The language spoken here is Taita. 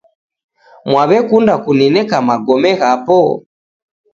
Mwaw'ekunda kunineka magome ghapo?